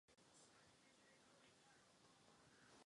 Je správné, aby vojáci v Kosovu zůstali?